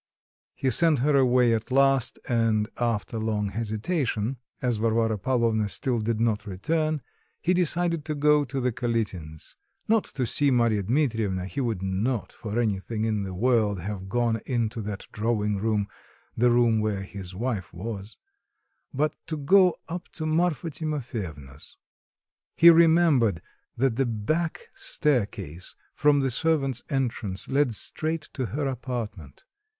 He sent her away at last, and after long hesitation (as Varvara Pavlovna still did not return) he decided to go to the Kalitins' not to see Marya Dmitrievna (he would not for anything in the world have gone into that drawing room, the room where his wife was), but to go up to Marfa Timofyevna's. He remembered that the back staircase from the servants' entrance led straight to her apartment.